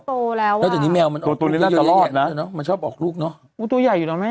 ตัวตัวนี้แมวมันตัวตัวนี้น่าจะรอดนะมันชอบออกลูกเนาะอู้ตัวใหญ่อยู่น่ะแม่